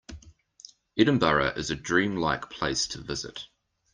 Edinburgh is a dream-like place to visit.